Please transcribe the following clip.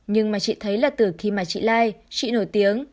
nhưng mà chị thấy là từ khi mà chị lai chị nổi tiếng